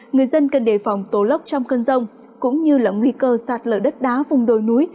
người dân cần đề phòng tố lốc trong cơn rông cũng như là nguy cơ sạt lở đất đá vùng đồi núi